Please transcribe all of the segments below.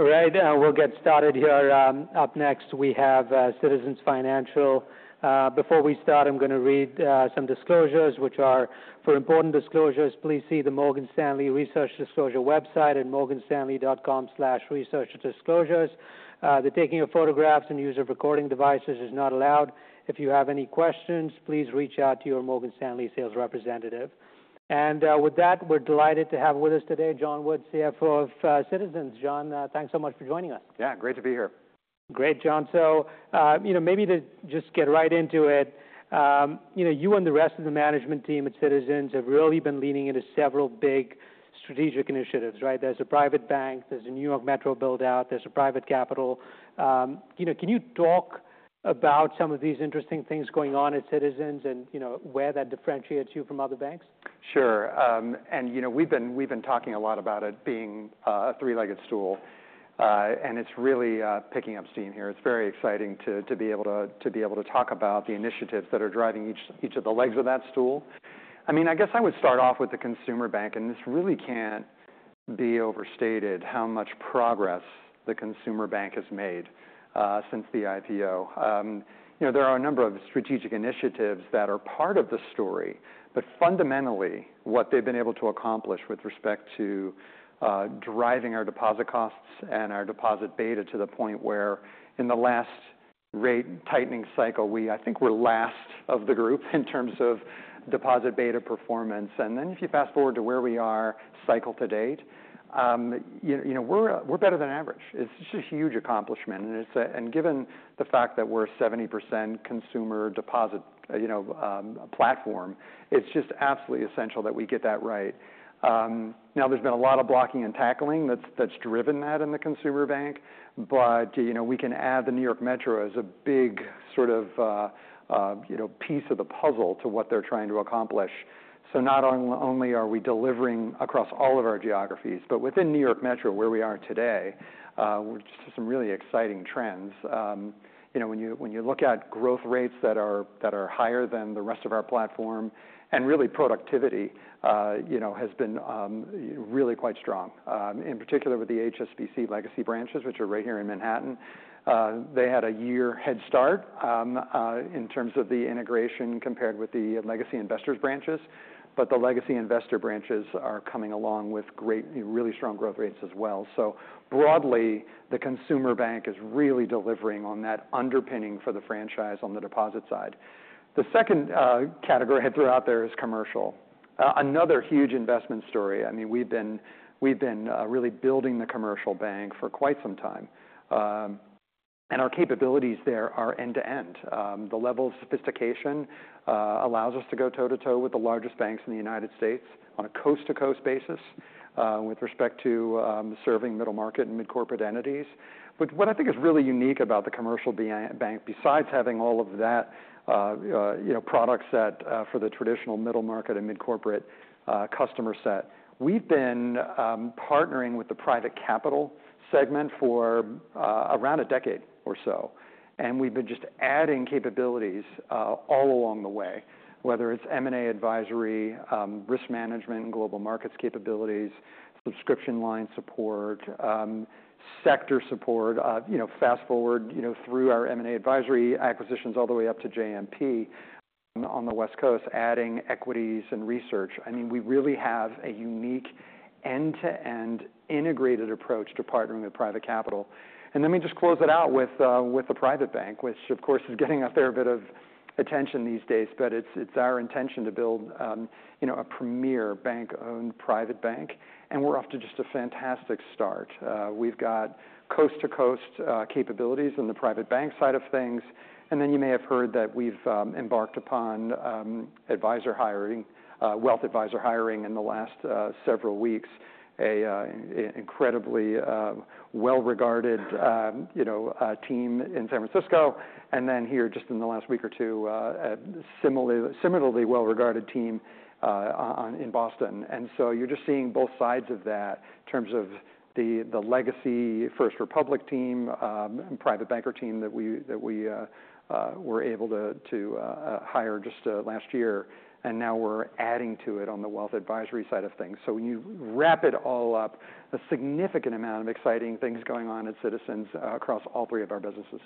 All right, we'll get started here. Up next, we have Citizens Financial. Before we start, I'm going to read some disclosures, which are: for important disclosures, please see the Morgan Stanley Research Disclosure website at morganstanley.com/researchdisclosures. The taking of photographs and use of recording devices is not allowed. If you have any questions, please reach out to your Morgan Stanley sales representative. With that, we're delighted to have with us today John Woods, CFO of Citizens. John, thanks so much for joining us. Yeah, great to be here. Great, John. So, you know, maybe to just get right into it, you know, you and the rest of the management team at Citizens have really been leaning into several big strategic initiatives, right? There's a private bank, there's a New York Metro build-out, there's a private capital. You know, can you talk about some of these interesting things going on at Citizens and, you know, where that differentiates you from other banks? Sure. And, you know, we've been talking a lot about it being a three-legged stool, and it's really picking up steam here. It's very exciting to be able to talk about the initiatives that are driving each of the legs of that stool. I mean, I guess I would start off with the consumer bank, and this really can't be overstated how much progress the consumer bank has made since the IPO. You know, there are a number of strategic initiatives that are part of the story, but fundamentally, what they've been able to accomplish with respect to driving our deposit costs and our deposit beta to the point where in the last rate tightening cycle, I think we're last of the group in terms of deposit beta performance. And then if you fast-forward to where we are cycle to date, you know, we're better than average. It's just a huge accomplishment, and given the fact that we're a 70% consumer deposit, you know, platform, it's just absolutely essential that we get that right. Now, there's been a lot of blocking and tackling that's driven that in the consumer bank, but, you know, we can add the New York Metro as a big sort of, you know, piece of the puzzle to what they're trying to accomplish. So not only are we delivering across all of our geographies, but within New York Metro, where we are today, which is some really exciting trends. You know, when you look at growth rates that are higher than the rest of our platform, and really productivity, you know, has been really quite strong. In particular with the HSBC legacy branches, which are right here in Manhattan. They had a year head start in terms of the integration compared with the legacy Investors branches, but the legacy Investors branches are coming along with great, really strong growth rates as well. So broadly, the consumer bank is really delivering on that underpinning for the franchise on the deposit side. The second category I threw out there is commercial. Another huge investment story. I mean, we've been really building the commercial bank for quite some time, and our capabilities there are end-to-end. The level of sophistication allows us to go toe-to-toe with the largest banks in the United States on a coast-to-coast basis, with respect to serving middle market and mid-corporate entities. But what I think is really unique about the commercial bank, besides having all of that, you know, product set for the traditional middle market and mid-corporate customer set, we've been partnering with the private capital segment for around a decade or so, and we've been just adding capabilities all along the way, whether it's M&A advisory, risk management and global markets capabilities, subscription line support, sector support. You know, fast-forward through our M&A advisory acquisitions all the way up to JMP on the West Coast, adding equities and research. I mean, we really have a unique end-to-end integrated approach to partnering with private capital. And let me just close it out with the private bank, which of course is getting out there a bit of attention these days, but it's our intention to build, you know, a premier bank-owned private bank, and we're off to just a fantastic start. We've got coast-to-coast capabilities in the private bank side of things, and then you may have heard that we've embarked upon advisor hiring, wealth advisor hiring in the last several weeks, an incredibly well-regarded, you know, team in San Francisco, and then here, just in the last week or two, a similarly, similarly well-regarded team in Boston. And so you're just seeing both sides of that in terms of the legacy First Republic team, private banker team that we were able to hire just last year, and now we're adding to it on the wealth advisory side of things. So when you wrap it all up, a significant amount of exciting things going on at Citizens across all three of our businesses.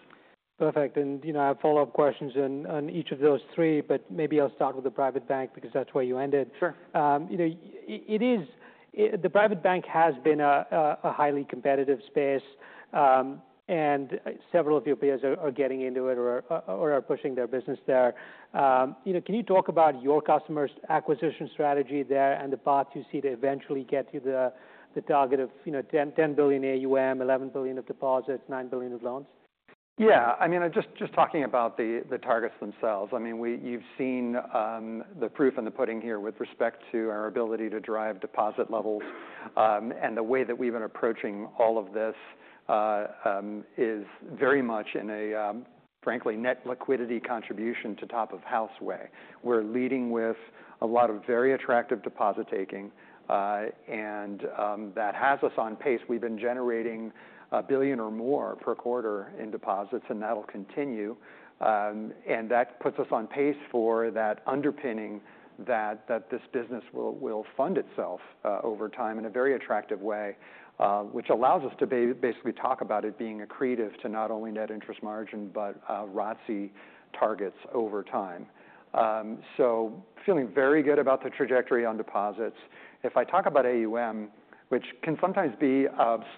Perfect. And, you know, I have follow-up questions on each of those three, but maybe I'll start with the private bank, because that's where you ended. Sure. You know, it is the private bank has been a highly competitive space, and several of your peers are getting into it or are pushing their business there. You know, can you talk about your customers' acquisition strategy there and the path you see to eventually get to the target of, you know, $10 billion AUM, $11 billion of deposits, $9 billion of loans? Yeah, I mean, just talking about the targets themselves, I mean, you've seen the proof and the pudding here with respect to our ability to drive deposit levels. And the way that we've been approaching all of this is very much in a frankly net liquidity contribution to top of house way. We're leading with a lot of very attractive deposit taking and that has us on pace. We've been generating $1 billion or more per quarter in deposits, and that'll continue. And that puts us on pace for that underpinning that this business will fund itself over time in a very attractive way, which allows us to basically talk about it being accretive to not only net interest margin, but ROTCE targets over time. So feeling very good about the trajectory on deposits. If I talk about AUM, which can sometimes be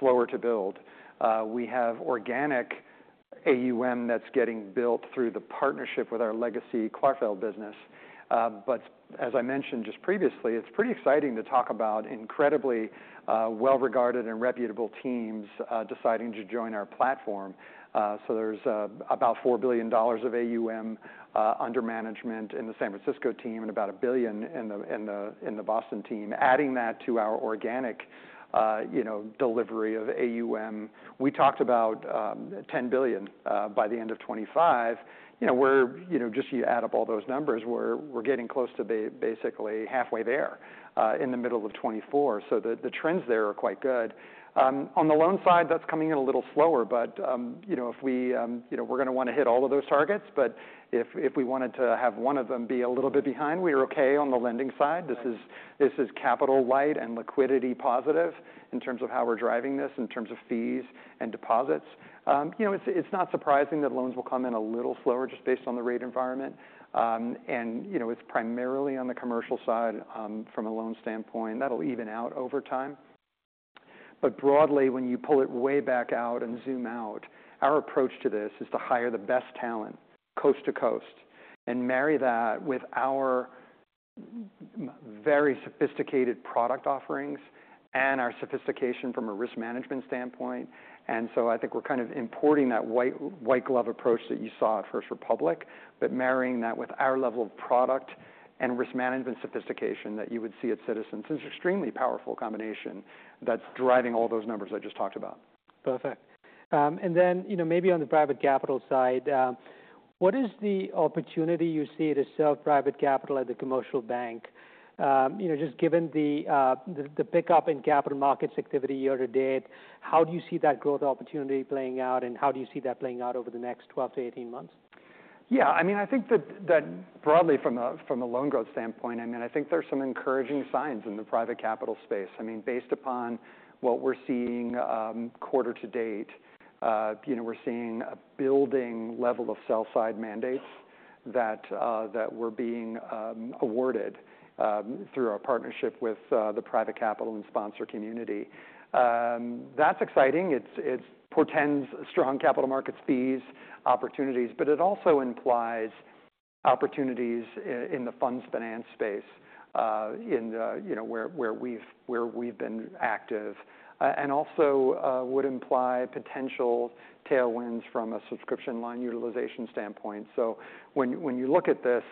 slower to build, we have organic AUM that's getting built through the partnership with our legacy Clarfeld business. But as I mentioned just previously, it's pretty exciting to talk about incredibly well-regarded and reputable teams deciding to join our platform. So there's about $4 billion of AUM under management in the San Francisco team, and about $1 billion in the Boston team. Adding that to our organic, you know, delivery of AUM, we talked about $10 billion by the end of 2025. You know, we're, you know, just you add up all those numbers, we're getting close to basically halfway there in the middle of 2024. So the trends there are quite good. On the loan side, that's coming in a little slower, but you know, if we... You know, we're gonna wanna hit all of those targets, but if, if we wanted to have one of them be a little bit behind, we are okay on the lending side. This is, this is capital light and liquidity positive in terms of how we're driving this, in terms of fees and deposits. You know, it's, it's not surprising that loans will come in a little slower just based on the rate environment. And, you know, it's primarily on the commercial side, from a loan standpoint. That'll even out over time. But broadly, when you pull it way back out and zoom out, our approach to this is to hire the best talent, coast to coast, and marry that with our very sophisticated product offerings and our sophistication from a risk management standpoint. And so I think we're kind of importing that white, white glove approach that you saw at First Republic, but marrying that with our level of product and risk management sophistication that you would see at Citizens. It's an extremely powerful combination that's driving all those numbers I just talked about. Perfect. And then, you know, maybe on the private capital side, what is the opportunity you see to sell private capital at the commercial bank? You know, just given the pickup in capital markets activity year to date, how do you see that growth opportunity playing out, and how do you see that playing out over the next 12-18 months? Yeah, I mean, I think that broadly from a loan growth standpoint, I mean, I think there's some encouraging signs in the private capital space. I mean, based upon what we're seeing quarter to date, you know, we're seeing a building level of sell-side mandates that we're being awarded through our partnership with the private capital and sponsor community. That's exciting. It portends strong capital markets fees opportunities, but it also implies opportunities in the funds finance space, in the you know, where we've been active. And also, would imply potential tailwinds from a subscription line utilization standpoint. So when you look at this,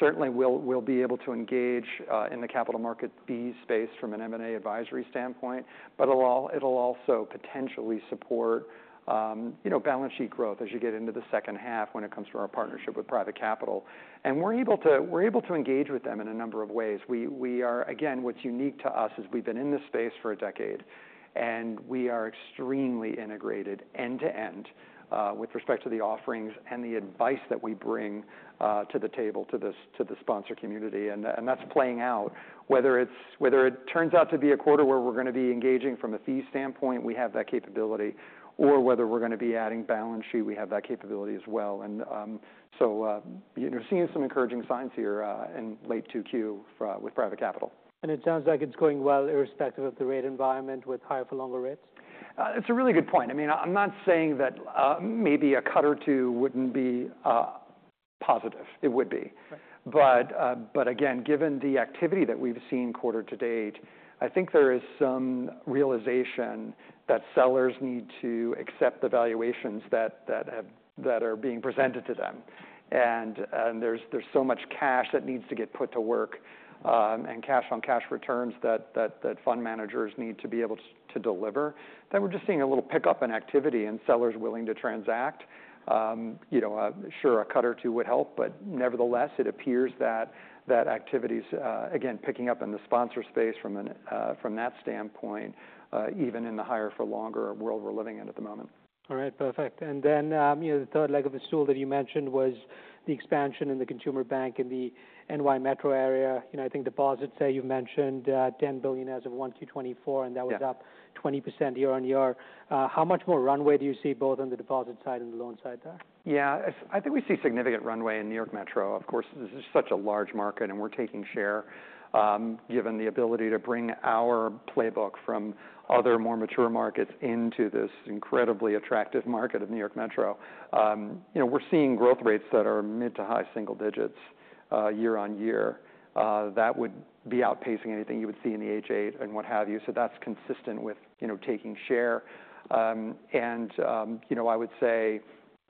certainly we'll be able to engage in the capital market fee space from an M&A advisory standpoint, but it'll also potentially support, you know, balance sheet growth as you get into the second half when it comes to our partnership with private capital. And we're able to engage with them in a number of ways. We are. Again, what's unique to us is we've been in this space for a decade, and we are extremely integrated end to end with respect to the offerings and the advice that we bring to the table to the sponsor community, and that's playing out. Whether it turns out to be a quarter where we're gonna be engaging from a fee standpoint, we have that capability, or whether we're gonna be adding balance sheet, we have that capability as well. And, so, you know, seeing some encouraging signs here, in late 2Q for, with private capital. It sounds like it's going well, irrespective of the rate environment with higher for longer rates? It's a really good point. I mean, I'm not saying that maybe a cut or two wouldn't be positive. It would be. Right. But again, given the activity that we've seen quarter to date, I think there is some realization that sellers need to accept the valuations that are being presented to them. And there's so much cash that needs to get put to work, and cash on cash returns that fund managers need to be able to deliver, that we're just seeing a little pickup in activity and sellers willing to transact. You know, sure, a cut or two would help, but nevertheless, it appears that activity's again picking up in the sponsor space from an from that standpoint, even in the higher for longer world we're living in at the moment. All right, perfect. And then, you know, the third leg of the stool that you mentioned was the expansion in the consumer bank in the New York Metro area. You know, I think deposits there, you've mentioned, $10 billion as of 1Q24- Yeah... and that was up 20% year-over-year. How much more runway do you see both on the deposit side and the loan side there? Yeah. I think we see significant runway in New York Metro. Of course, this is such a large market, and we're taking share. Given the ability to bring our playbook from other more mature markets into this incredibly attractive market of New York Metro, you know, we're seeing growth rates that are mid- to high-single digits, year-on-year. That would be outpacing anything you would see in the H.8 and what have you, so that's consistent with, you know, taking share. And, you know, I would say,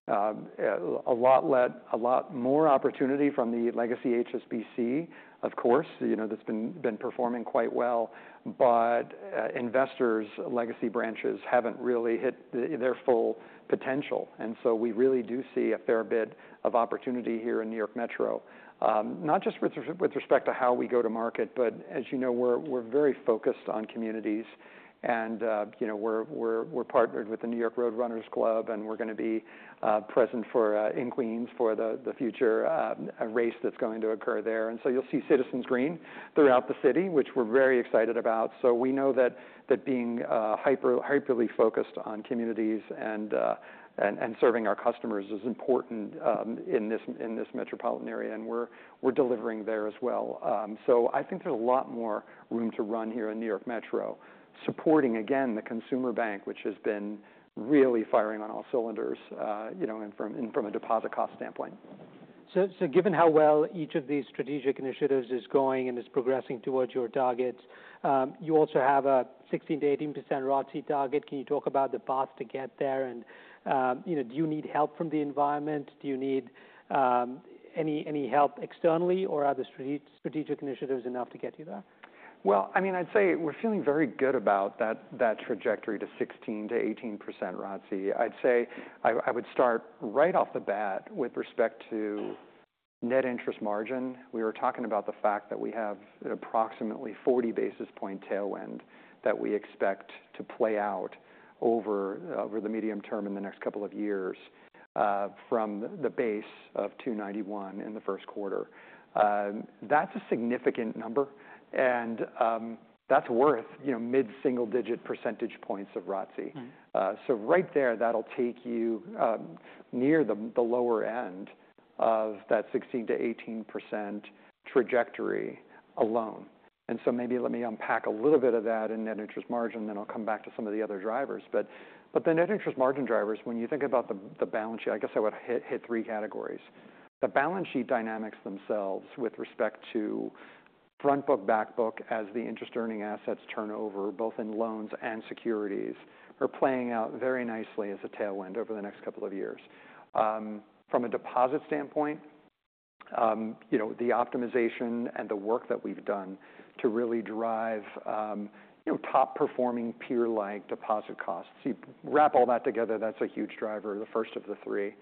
a lot more opportunity from the legacy HSBC, of course, you know, that's been performing quite well. But, Investors' legacy branches haven't really hit their full potential, and so we really do see a fair bit of opportunity here in New York Metro. Not just with respect to how we go to market, but as you know, we're very focused on communities, and you know, we're partnered with the New York Road Runners, and we're gonna be present for in Queens for the future race that's going to occur there. And so you'll see Citizens Green throughout the city, which we're very excited about. So we know that being hyperly focused on communities and serving our customers is important in this metropolitan area, and we're delivering there as well. So I think there's a lot more room to run here in New York Metro, supporting again the consumer bank, which has been really firing on all cylinders, you know, and from a deposit cost standpoint.... So given how well each of these strategic initiatives is going and is progressing towards your targets, you also have a 16%-18% ROTCE target. Can you talk about the path to get there? And, you know, do you need help from the environment? Do you need any help externally, or are the strategic initiatives enough to get you there? Well, I mean, I'd say we're feeling very good about that trajectory to 16%-18% ROTCE. I'd say I would start right off the bat with respect to net interest margin. We were talking about the fact that we have an approximately 40 basis point tailwind that we expect to play out over the medium term in the next couple of years from the base of 2.91 in the first quarter. That's a significant number, and that's worth, you know, mid-single-digit percentage points of ROTCE. Mm-hmm. So right there, that'll take you near the lower end of that 16%-18% trajectory alone. And so maybe let me unpack a little bit of that in net interest margin, then I'll come back to some of the other drivers. But the net interest margin drivers, when you think about the balance sheet, I guess I would hit three categories. The balance sheet dynamics themselves with respect to front book, back book, as the interest-earning assets turn over, both in loans and securities, are playing out very nicely as a tailwind over the next couple of years. From a deposit standpoint, you know, the optimization and the work that we've done to really drive you know, top-performing peer-like deposit costs, you wrap all that together, that's a huge driver, the first of the three.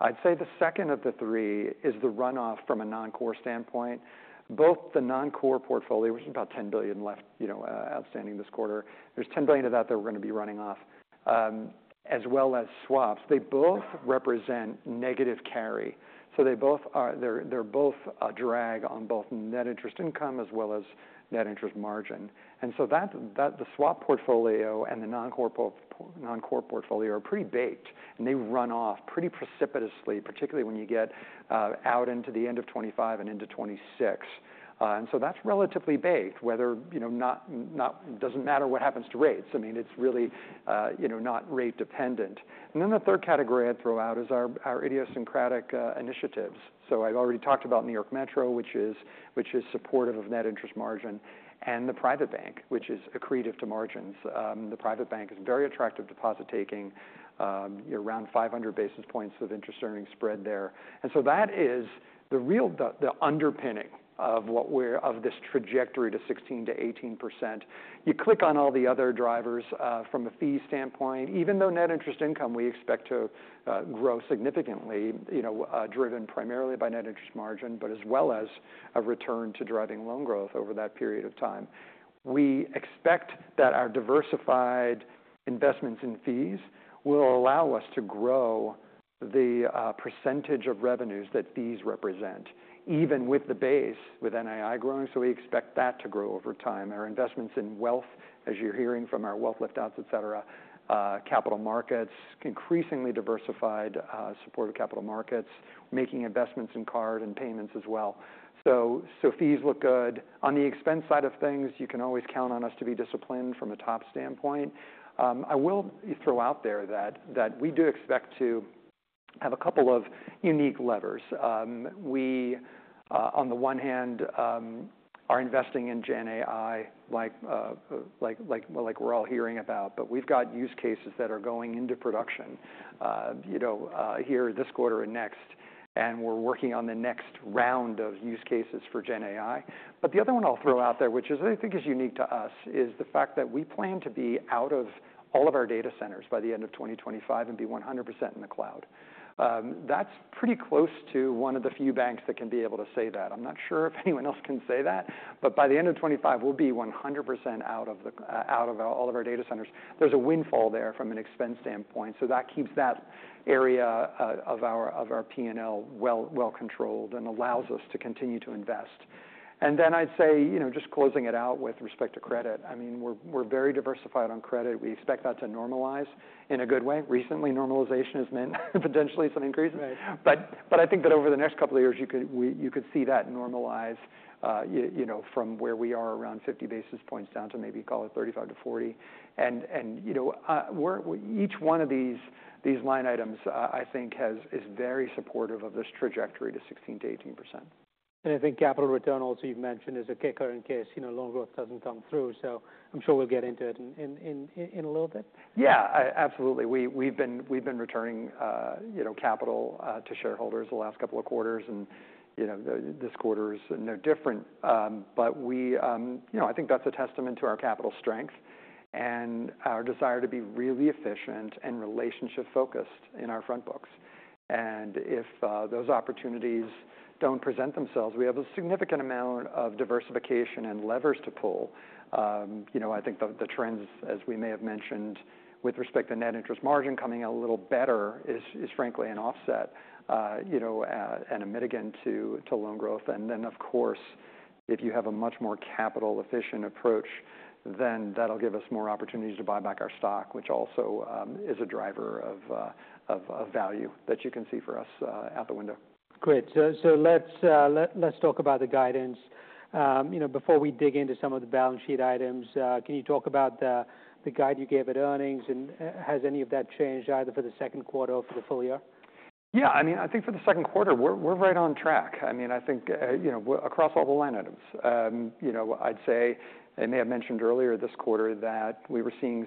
I'd say the second of the three is the runoff from a non-core standpoint. Both the non-core portfolio, which is about $10 billion left, you know, outstanding this quarter, there's $10 billion of that that we're gonna be running off, as well as swaps. They both represent negative carry, so they're both a drag on both net interest income as well as net interest margin. And so that, the swap portfolio and the non-core portfolio are pretty baked, and they run off pretty precipitously, particularly when you get out into the end of 2025 and into 2026. And so that's relatively baked, whether, you know, doesn't matter what happens to rates. I mean, it's really, you know, not rate dependent. And then the third category I'd throw out is our idiosyncratic initiatives. So I've already talked about New York Metro, which is supportive of net interest margin, and the private bank, which is accretive to margins. The private bank is very attractive deposit-taking, around 500 basis points of interest-earning spread there. And so that is the underpinning of this trajectory to 16%-18%. You click on all the other drivers from a fee standpoint, even though net interest income, we expect to grow significantly, you know, driven primarily by net interest margin, but as well as a return to driving loan growth over that period of time. We expect that our diversified investments in fees will allow us to grow the percentage of revenues that fees represent, even with the base, with NII growing, so we expect that to grow over time. Our investments in wealth, as you're hearing from our wealth lift-outs, et cetera, capital markets, increasingly diversified, supportive capital markets, making investments in card and payments as well. So, so fees look good. On the expense side of things, you can always count on us to be disciplined from a top standpoint. I will throw out there that we do expect to have a couple of unique levers. We, on the one hand, are investing in GenAI, like we're all hearing about, but we've got use cases that are going into production, you know, here this quarter and next, and we're working on the next round of use cases for GenAI. But the other one I'll throw out there, which, I think, is unique to us, is the fact that we plan to be out of all of our data centers by the end of 2025 and be 100% in the cloud. That's pretty close to one of the few banks that can be able to say that. I'm not sure if anyone else can say that, but by the end of 2025, we'll be 100% out of all of our data centers. There's a windfall there from an expense standpoint, so that keeps that area of our P&L well controlled and allows us to continue to invest. And then I'd say, you know, just closing it out with respect to credit, I mean, we're very diversified on credit. We expect that to normalize in a good way. Recently, normalization has meant potentially some increase. Right. But I think that over the next couple of years, you could see that normalize, you know, from where we are around 50 basis points down to maybe call it 35-40. And, you know, each one of these line items, I think is very supportive of this trajectory to 16%-18%. I think capital return also you've mentioned is a kicker in case, you know, loan growth doesn't come through, so I'm sure we'll get into it in a little bit? Yeah, absolutely. We've been returning, you know, capital to shareholders the last couple of quarters, and, you know, this quarter is no different. But we, you know, I think that's a testament to our capital strength and our desire to be really efficient and relationship-focused in our front books. And if those opportunities don't present themselves, we have a significant amount of diversification and levers to pull. You know, I think the trends, as we may have mentioned, with respect to net interest margin coming out a little better is frankly an offset, you know, and a mitigant to loan growth. And then, of course, if you have a much more capital-efficient approach, then that'll give us more opportunities to buy back our stock, which also is a driver of value that you can see for us out the window. Great. So let's talk about the guidance. You know, before we dig into some of the balance sheet items, can you talk about the guide you gave at earnings? And has any of that changed either for the second quarter or for the full year? Yeah, I mean, I think for the second quarter, we're right on track. I mean, I think, you know, across all the line items. You know, I'd say, I may have mentioned earlier this quarter that we were seeing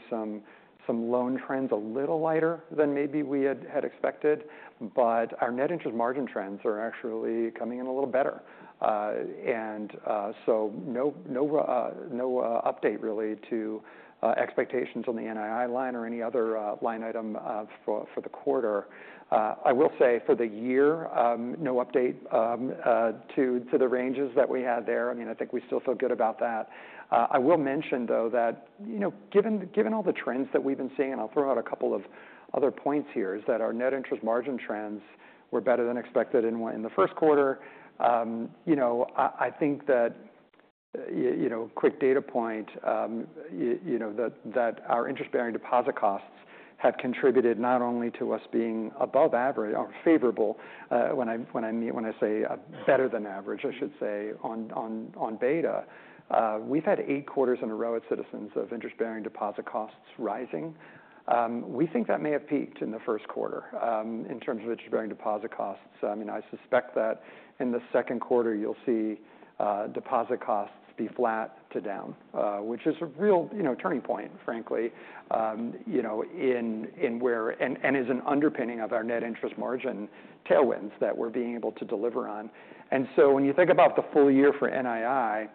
some loan trends a little lighter than maybe we had expected, but our net interest margin trends are actually coming in a little better. And so no update really to expectations on the NII line or any other line item for the quarter. I will say for the year, no update to the ranges that we had there. I mean, I think we still feel good about that. I will mention though that, you know, given all the trends that we've been seeing, and I'll throw out a couple of other points here, is that our net interest margin trends were better than expected in the first quarter. You know, I think that you know, quick data point, you know, that that our interest-bearing deposit costs have contributed not only to us being above average, or favorable, when I mean when I say better than average, I should say, on beta. We've had 8 quarters in a row at Citizens of interest-bearing deposit costs rising. We think that may have peaked in the first quarter, in terms of interest-bearing deposit costs. I mean, I suspect that in the second quarter you'll see, deposit costs be flat to down, which is a real, you know, turning point, frankly, you know, in where. And is an underpinning of our net interest margin tailwinds that we're being able to deliver on. And so when you think about the full year for NII,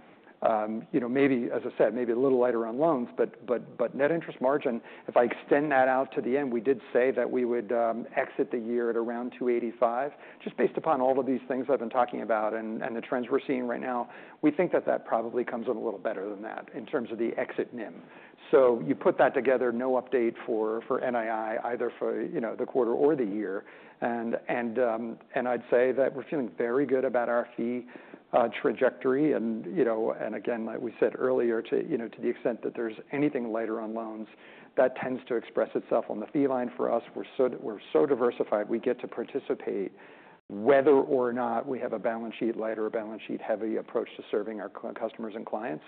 you know, maybe as I said, maybe a little lighter on loans, but net interest margin, if I extend that out to the end, we did say that we would, exit the year at around 285. Just based upon all of these things I've been talking about and the trends we're seeing right now, we think that that probably comes in a little better than that in terms of the exit NIM. So you put that together, no update for NII, either for, you know, the quarter or the year. And I'd say that we're feeling very good about our fee trajectory. And, you know, again, like we said earlier, to the extent that there's anything lighter on loans, that tends to express itself on the fee line for us. We're so diversified, we get to participate whether or not we have a balance sheet light or a balance sheet-heavy approach to serving our customers and clients.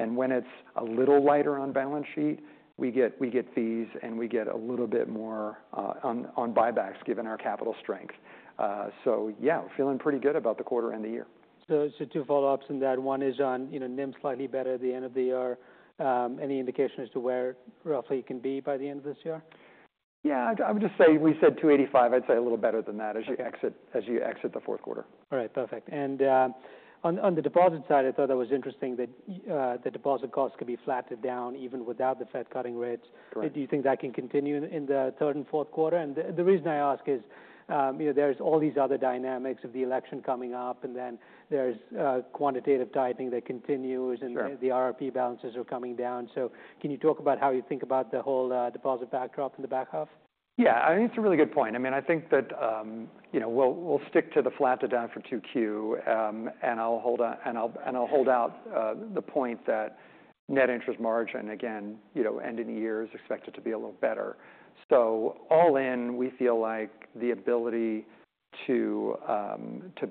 And when it's a little lighter on balance sheet, we get fees and we get a little bit more on buybacks, given our capital strength. So yeah, we're feeling pretty good about the quarter and the year. So, two follow-ups in that. One is on, you know, NIM slightly better at the end of the year. Any indication as to where roughly you can be by the end of this year? Yeah, I would just say, we said 285. I'd say a little better than that- Okay... as you exit the fourth quarter. All right, perfect. And, on the deposit side, I thought that was interesting that the deposit costs could be flat to down even without the Fed cutting rates. Correct. Do you think that can continue in the third and fourth quarter? And the reason I ask is, you know, there's all these other dynamics of the election coming up, and then there's quantitative tightening that continues- Sure... and the RRP balances are coming down. So can you talk about how you think about the whole, deposit backdrop in the back half? Yeah, I think it's a really good point. I mean, I think that, you know, we'll stick to the flat to down for 2Q, and I'll hold out the point that net interest margin, again, you know, end of the year is expected to be a little better. So all in, we feel like the ability to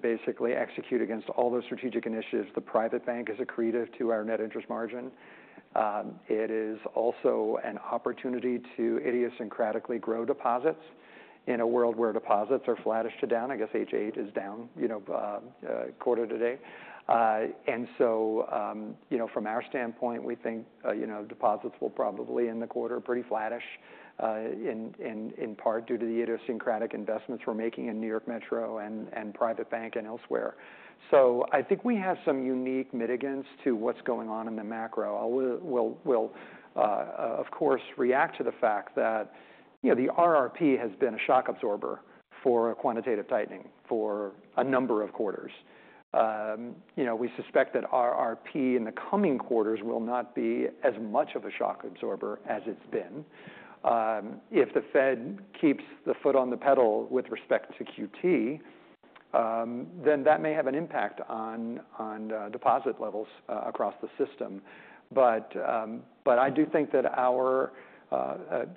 basically execute against all those strategic initiatives, the private bank is accretive to our net interest margin. It is also an opportunity to idiosyncratically grow deposits in a world where deposits are flattish to down. I guess H.8 is down, you know, quarter to date. And so, you know, from our standpoint, we think, you know, deposits will probably end the quarter pretty flattish, in part due to the idiosyncratic investments we're making in New York Metro and Private Bank and elsewhere. So I think we have some unique mitigants to what's going on in the macro. We'll, of course, react to the fact that, you know, the RRP has been a shock absorber for quantitative tightening for a number of quarters. You know, we suspect that RRP in the coming quarters will not be as much of a shock absorber as it's been. If the Fed keeps the foot on the pedal with respect to QT, then that may have an impact on deposit levels across the system. But I do think that our,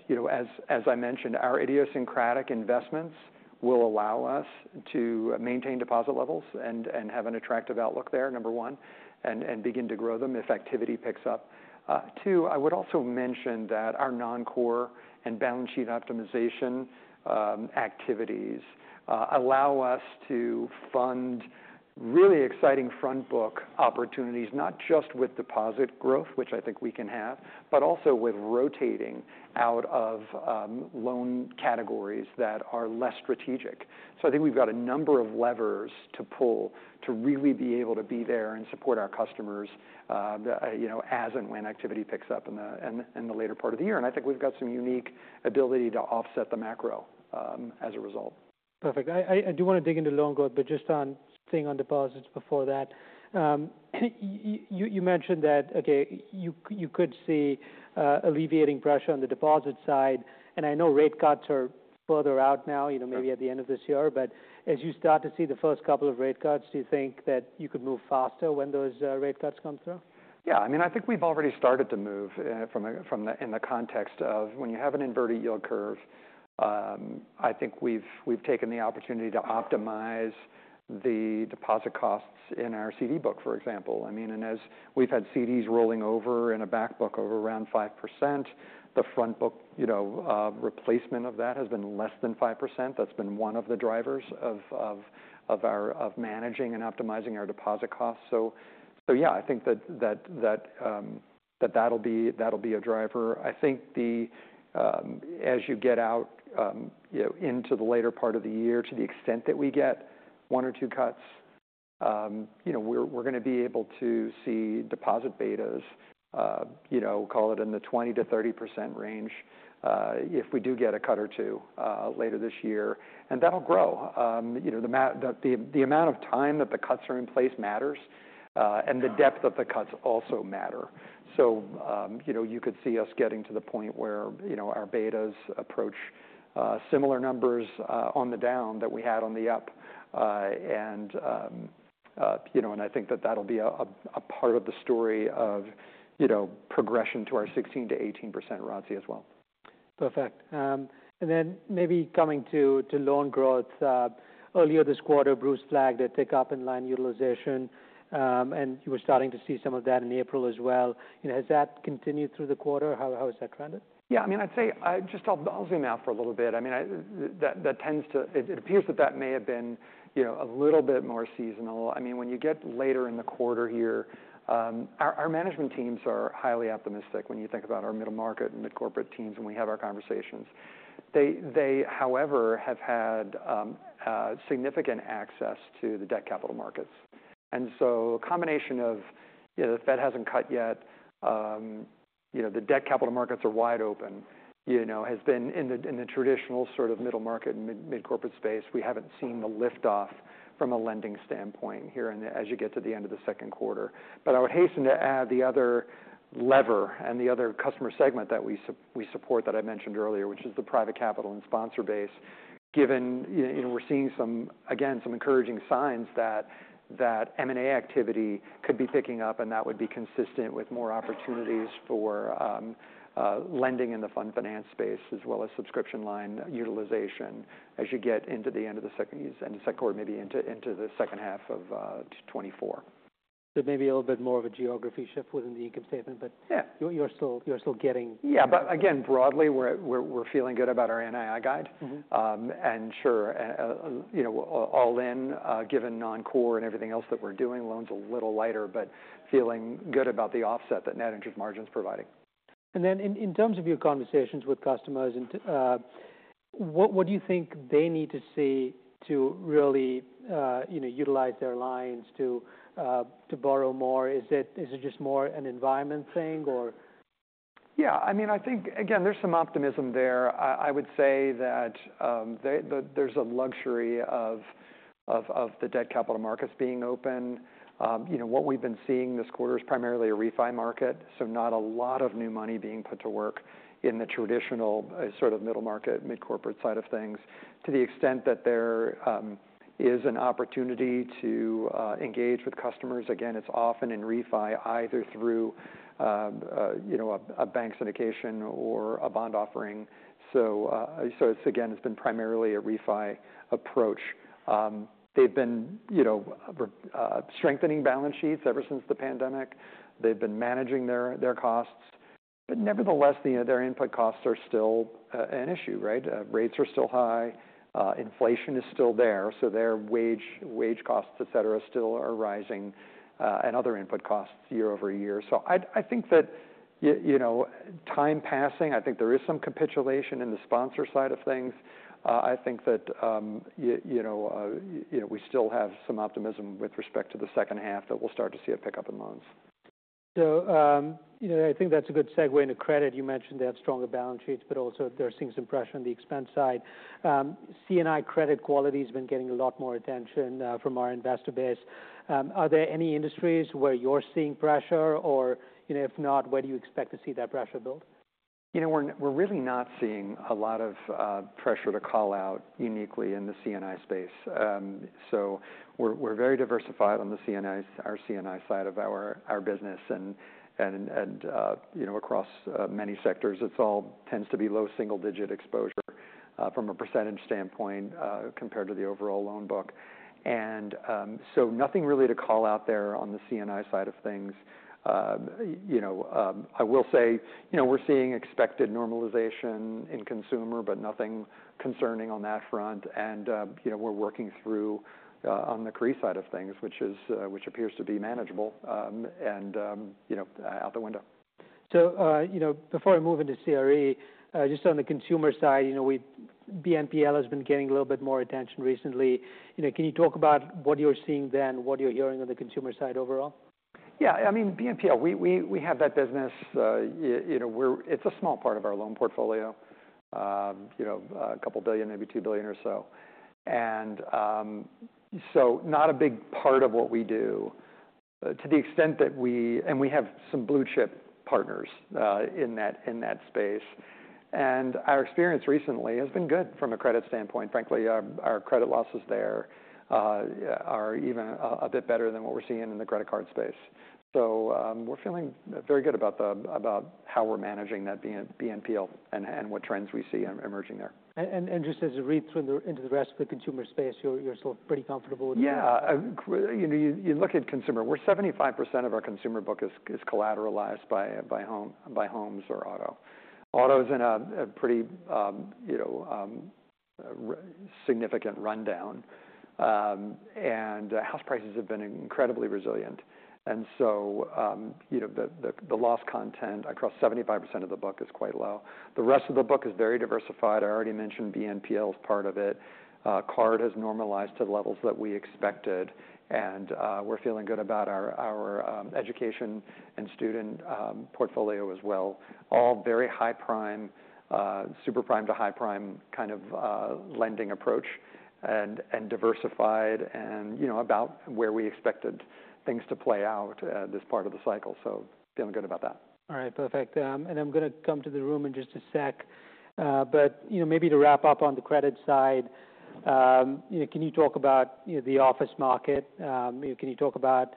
you know, as I mentioned, our idiosyncratic investments will allow us to maintain deposit levels and have an attractive outlook there, number one, and begin to grow them if activity picks up. Two, I would also mention that our non-core and balance sheet optimization activities allow us to fund really exciting front book opportunities, not just with deposit growth, which I think we can have, but also with rotating out of loan categories that are less strategic. So I think we've got a number of levers to pull to really be able to be there and support our customers, you know, as and when activity picks up in the later part of the year, and I think we've got some unique ability to offset the macro, as a result. Perfect. I do want to dig into loan growth, but just on staying on deposits before that. You mentioned that, okay, you could see alleviating pressure on the deposit side, and I know rate cuts are further out now, you know- Sure... maybe at the end of this year, but as you start to see the first couple of rate cuts, do you think that you could move faster when those rate cuts come through? Yeah, I mean, I think we've already started to move from the context of when you have an inverted yield curve. I think we've taken the opportunity to optimize the deposit costs in our CD book, for example. I mean, and as we've had CDs rolling over in a back book of around 5%, the front book, you know, replacement of that has been less than 5%. That's been one of the drivers of our managing and optimizing our deposit costs. So yeah, I think that that'll be a driver. I think the... As you get out, you know, into the later part of the year, to the extent that we get one or two cuts, you know, we're gonna be able to see deposit betas, you know, call it in the 20%-30% range, if we do get a cut or two, later this year, and that'll grow. You know, the amount of time that the cuts are in place matters, and the depth of the cuts also matter. So, you know, you could see us getting to the point where, you know, our betas approach similar numbers on the down that we had on the up. you know, and I think that, that'll be a part of the story of, you know, progression to our 16%-18% ROTCE as well. Perfect. And then maybe coming to loan growth. Earlier this quarter, Bruce flagged a pick-up in line utilization, and you were starting to see some of that in April as well. You know, has that continued through the quarter? How has that trended? Yeah, I mean, I'd say, I just I'll zoom out for a little bit. I mean, that tends to it. It appears that that may have been, you know, a little bit more seasonal. I mean, when you get later in the quarter here, our management teams are highly optimistic when you think about our middle market and mid-corporate teams, and we have our conversations. They, however, have had significant access to the debt capital markets. And so a combination of, you know, the Fed hasn't cut yet, you know, the debt capital markets are wide open, you know, has been in the traditional sort of middle market and mid-corporate space. We haven't seen the lift off from a lending standpoint here in the as you get to the end of the second quarter. But I would hasten to add the other lever and the other customer segment that we support, that I mentioned earlier, which is the private capital and sponsor base. Given, you know, we're seeing some, again, some encouraging signs that M&A activity could be picking up, and that would be consistent with more opportunities for lending in the fund finance space, as well as subscription line utilization as you get into the end of the second quarter, maybe into the second half of 2024. So maybe a little bit more of a geography shift within the income statement, but- Yeah... You're still getting- Yeah, but again, broadly, we're feeling good about our NII guide. Mm-hmm. And sure, you know, all in, given non-core and everything else that we're doing, loan's a little lighter, but feeling good about the offset that net interest margin's providing. And then in terms of your conversations with customers and what do you think they need to see to really you know utilize their lines to borrow more? Is it just more an environment thing or? Yeah, I mean, I think, again, there's some optimism there. I would say that there's a luxury of the debt capital markets being open. You know, what we've been seeing this quarter is primarily a refi market, so not a lot of new money being put to work in the traditional sort of middle market, mid-corporate side of things. To the extent that there is an opportunity to engage with customers, again, it's often in refi, either through you know, a bank syndication or a bond offering. So, so it's again, it's been primarily a refi approach. They've been, you know, strengthening balance sheets ever since the pandemic. They've been managing their costs, but nevertheless, their input costs are still an issue, right? Rates are still high. Inflation is still there, so their wage costs, et cetera, still are rising, and other input costs year over year. So I think that you know, time passing, I think there is some capitulation in the sponsor side of things. I think that you know, you know, we still have some optimism with respect to the second half, that we'll start to see a pick-up in loans. You know, I think that's a good segue into credit. You mentioned they have stronger balance sheets, but also they're seeing some pressure on the expense side. C&I credit quality's been getting a lot more attention from our investor base. Are there any industries where you're seeing pressure? Or, you know, if not, where do you expect to see that pressure build? You know, we're really not seeing a lot of pressure to call out uniquely in the C&I space. So we're very diversified on the C&I, our C&I side of our business, and you know, across many sectors, it's all tends to be low double digit single digit exposure, from a percentage standpoint, compared to the overall loan book. And so nothing really to call out there on the C&I side of things. You know, I will say, you know, we're seeing expected normalization in consumer, but nothing concerning on that front. And you know, we're working through on the CRE side of things, which appears to be manageable, and you know, out the window. So, you know, before I move into CRE, just on the consumer side, you know, BNPL has been getting a little bit more attention recently. You know, can you talk about what you're seeing there, and what you're hearing on the consumer side overall? Yeah, I mean, BNPL, we have that business. You know, it's a small part of our loan portfolio. You know, a couple billion, maybe $2 billion or so, and so not a big part of what we do. To the extent that we have some blue-chip partners in that space. And our experience recently has been good from a credit standpoint. Frankly, our credit losses there are even a bit better than what we're seeing in the credit card space. So, we're feeling very good about how we're managing that BNPL and what trends we see emerging there. And just as you read through into the rest of the consumer space, you're still pretty comfortable with that? Yeah, you know, you look at consumer, where 75% of our consumer book is collateralized by homes or auto. Auto is in a pretty significant rundown. And house prices have been incredibly resilient. And so, you know, the loss content across 75% of the book is quite low. The rest of the book is very diversified. I already mentioned BNPL is part of it. Card has normalized to the levels that we expected, and we're feeling good about our education and student portfolio as well. All very high-prime, super prime to high prime kind of lending approach and diversified and, you know, about where we expected things to play out at this part of the cycle, so feeling good about that. All right, perfect. I'm gonna come to the room in just a sec. But, you know, maybe to wrap up on the credit side, you know, can you talk about, you know, the office market? Can you talk about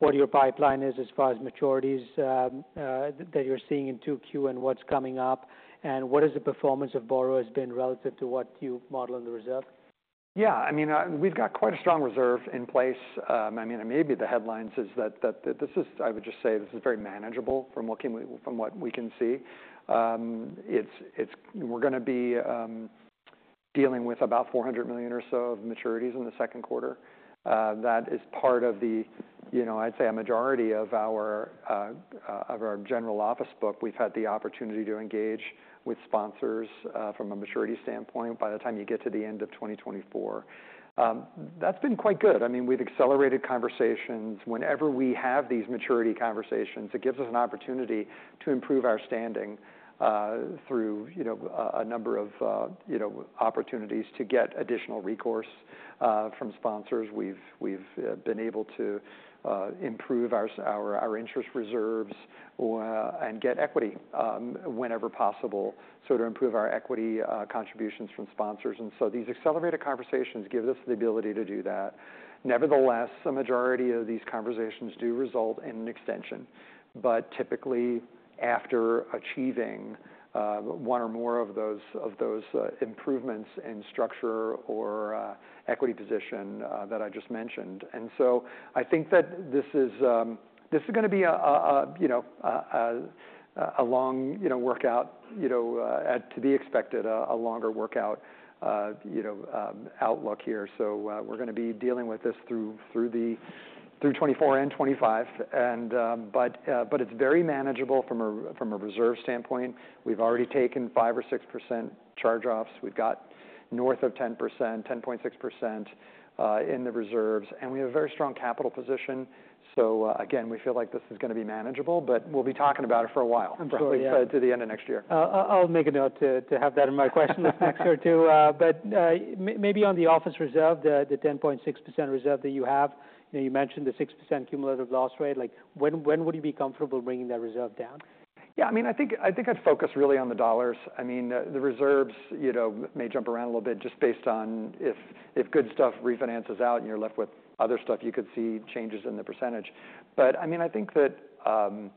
what your pipeline is as far as maturities, that you're seeing in 2Q and what's coming up? And what is the performance of borrowers been relative to what you model in the reserve? Yeah, I mean, we've got quite a strong reserve in place. I mean, maybe the headlines is that this is—I would just say, this is very manageable from what we can see. It's we're gonna be dealing with about $400 million or so of maturities in the second quarter. That is part of the, you know, I'd say a majority of our of our general office book. We've had the opportunity to engage with sponsors from a maturity standpoint, by the time you get to the end of 2024. That's been quite good. I mean, we've accelerated conversations. Whenever we have these maturity conversations, it gives us an opportunity to improve our standing through, you know, a number of, you know, opportunities to get additional recourse from sponsors. We've been able to improve our interest reserves or and get equity whenever possible, so to improve our equity contributions from sponsors. And so these accelerated conversations give us the ability to do that. Nevertheless, a majority of these conversations do result in an extension, but typically, after achieving one or more of those improvements in structure or equity position that I just mentioned. And so I think that this is gonna be a you know a long you know workout you know as to be expected a longer workout you know outlook here. So we're gonna be dealing with this through the 2024 and 2025. And but it's very manageable from a reserve standpoint. We've already taken 5% or 6% charge-offs. We've got north of 10%, 10.6%, in the reserves, and we have a very strong capital position. So, again, we feel like this is gonna be manageable, but we'll be talking about it for a while- I'm sure, yeah. Probably to the end of next year. I'll make a note to have that in my question next year, too. But maybe on the office reserve, the 10.6% reserve that you have, you know, you mentioned the 6% cumulative loss rate. Like, when would you be comfortable bringing that reserve down? Yeah, I mean, I think, I think I'd focus really on the dollars. I mean, the reserves, you know, may jump around a little bit just based on if good stuff refinances out, and you're left with other stuff, you could see changes in the percentage. But I mean, I think that, the...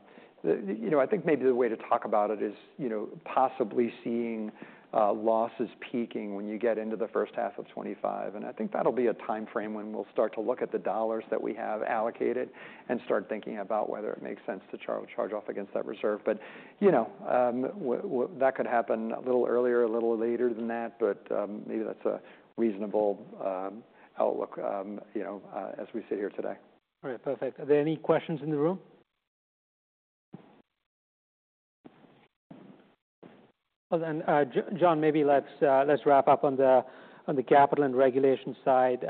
You know, I think maybe the way to talk about it is, you know, possibly seeing losses peaking when you get into the first half of 2025. And I think that'll be a timeframe when we'll start to look at the dollars that we have allocated and start thinking about whether it makes sense to charge off against that reserve. But, you know, that could happen a little earlier, a little later than that, but, maybe that's a reasonable outlook, you know, as we sit here today. All right, perfect. Are there any questions in the room? Well, then, John, maybe let's wrap up on the, on the capital and regulation side.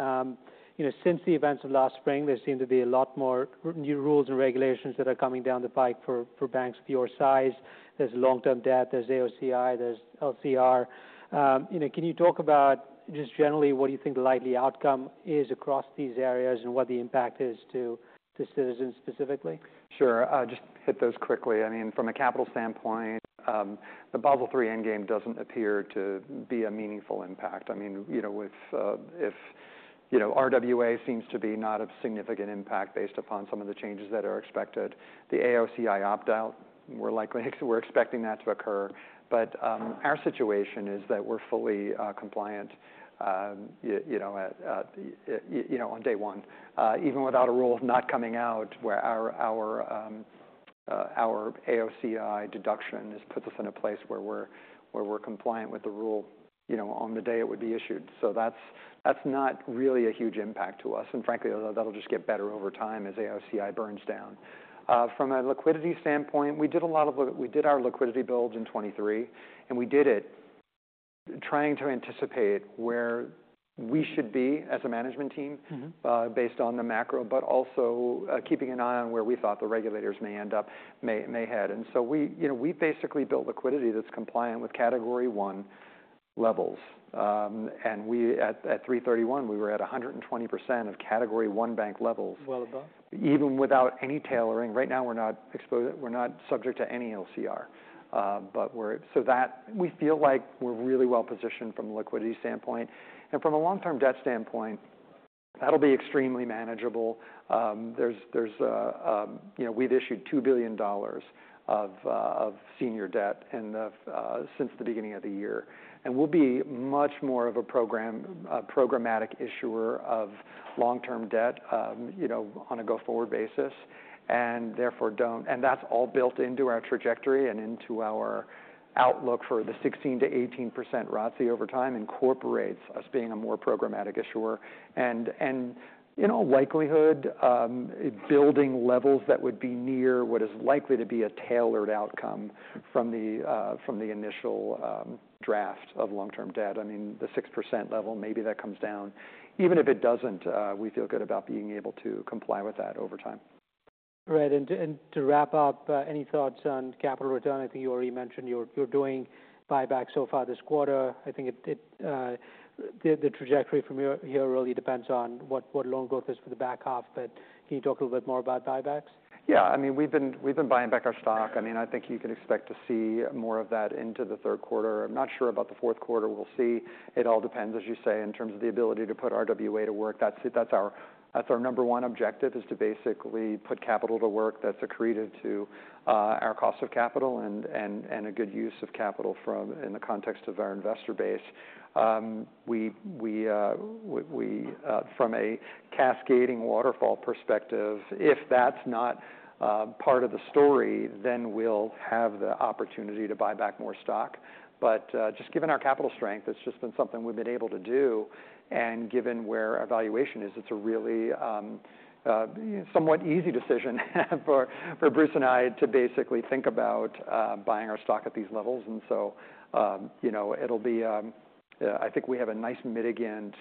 You know, since the events of last spring, there seem to be a lot more new rules and regulations that are coming down the pipe for, for banks of your size. There's long-term debt, there's AOCI, there's LCR. You know, can you talk about, just generally, what you think the likely outcome is across these areas and what the impact is to, to Citizens specifically? Sure. I'll just hit those quickly. I mean, from a capital standpoint, the Basel III Endgame doesn't appear to be a meaningful impact. I mean, you know, if RWA seems to be not of significant impact based upon some of the changes that are expected, the AOCI opt-out, we're likely expecting that to occur. But our situation is that we're fully compliant already, you know, on day one. Even without the opt-out not coming out, where our AOCI deduction has put us in a place where we're compliant with the rule, you know, on the day it would be issued. So that's not really a huge impact to us, and frankly, that'll just get better over time as AOCI burns down. From a liquidity standpoint, we did our liquidity build in 2023, and we did it trying to anticipate where we should be as a management team. Mm-hmm. based on the macro, but also keeping an eye on where we thought the regulators may end up, may head. And so we, you know, we basically build liquidity that's compliant with Category I levels. And we, at 3/31, we were at 120% of Category One bank levels- Well above. even without any tailoring. Right now, we're not subject to any LCR, but we're so that, we feel like we're really well-positioned from a liquidity standpoint. And from a long-term debt standpoint, that'll be extremely manageable. There's, there's, you know, we've issued $2 billion of senior debt since the beginning of the year, and we'll be much more of a program, a programmatic issuer of long-term debt, you know, on a go-forward basis, and therefore don't- And that's all built into our trajectory and into our outlook for the 16%-18% ROTCE over time, incorporates us being a more programmatic issuer. And, and in all likelihood, building levels that would be near what is likely to be a tailored outcome from the from the initial draft of long-term debt. I mean, the 6% level, maybe that comes down. Even if it doesn't, we feel good about being able to comply with that over time. Right. And to wrap up, any thoughts on capital return? I think you already mentioned you're doing buybacks so far this quarter. I think the trajectory from here really depends on what loan growth is for the back half. But can you talk a little bit more about buybacks? Yeah. I mean, we've been, we've been buying back our stock. I mean, I think you can expect to see more of that into the third quarter. I'm not sure about the fourth quarter. We'll see. It all depends, as you say, in terms of the ability to put RWA to work. That's our number one objective is to basically put capital to work that's accretive to our cost of capital and a good use of capital from in the context of our investor base. We from a cascading waterfall perspective, if that's not part of the story, then we'll have the opportunity to buy back more stock. But, just given our capital strength, it's just been something we've been able to do, and given where our valuation is, it's a really, somewhat easy decision for, for Bruce and I to basically think about, buying our stock at these levels. And so, you know, it'll be... Yeah, I think we have a nice mitigant,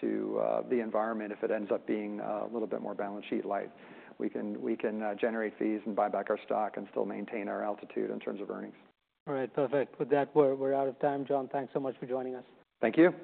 to the environment if it ends up being, a little bit more balance sheet light. We can, we can, generate fees and buy back our stock, and still maintain our altitude in terms of earnings. All right, perfect. With that, we're out of time. John, thanks so much for joining us. Thank you.